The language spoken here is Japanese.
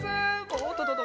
おっとととと。